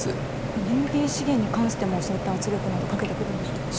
エネルギー資源に関してもそういった圧力などをかけてくるんでしょうか。